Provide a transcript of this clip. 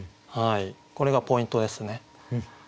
これがポイントですね。